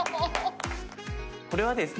これはですね